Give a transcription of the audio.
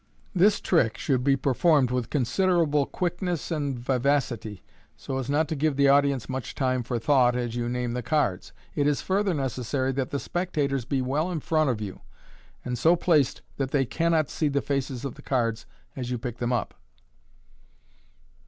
This trick should be performed with considerable quickness and vivacity, so as not to give the audience much time for thought as you name the cards. It is further necessary that the spectators be well in front of you, and so placed that they cannot see the faces of the card? as you pick them up.